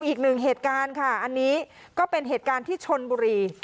อีกหนึ่งเหตุการณ์ค่ะอันนี้ก็เป็นเหตุการณ์ที่ชนบุรี